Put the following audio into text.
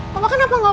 bawa aku kemana